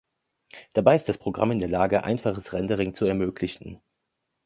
Dabei ist das Programm in der Lage, einfaches Rendering zu ermöglichen.